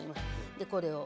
でこれを。